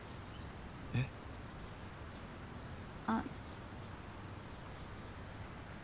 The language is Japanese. えっ？あっ。